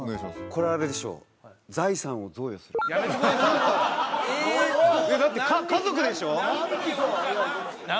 これあれでしょ財産を贈与するやめてくださいだって家族でしょ？